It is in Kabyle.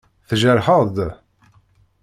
Tjerḥeḍ-d?